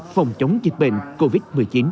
phòng chống dịch bệnh covid một mươi chín